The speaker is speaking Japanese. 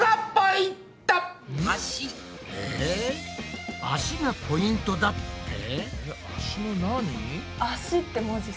え脚がポイントだって？